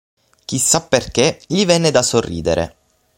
Chissà perché, gli venne da sorridere.